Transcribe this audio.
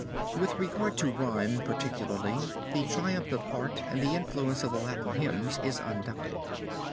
With regard to rhyme particularly the triumph of art and the influence of the Latin hymns is undoubted.